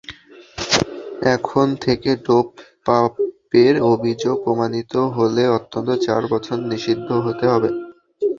এখন থেকে ডোপ-পাপের অভিযোগ প্রমাণিত হলে অন্তত চার বছর নিষিদ্ধ হতে হবে।